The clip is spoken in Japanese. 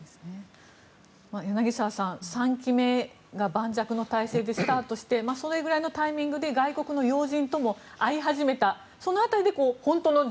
柳澤さん、３期目が盤石の体制でスタートしてそれぐらいのタイミングで外国の要人とも会い始めた。